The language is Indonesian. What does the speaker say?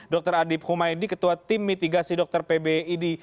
dokter adib khumaidi ketua tim mitigasi dokter pbid